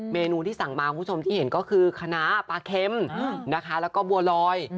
เมนูที่สั่งมาคุณผู้ชมที่เห็นก็คือคณะปลาเค็มนะคะแล้วก็บัวลอย